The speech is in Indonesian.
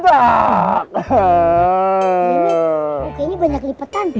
bukannya banyak lipatan